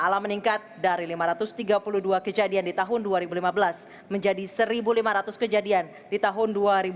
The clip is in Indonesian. alam meningkat dari lima ratus tiga puluh dua kejadian di tahun dua ribu lima belas menjadi satu lima ratus kejadian di tahun dua ribu dua puluh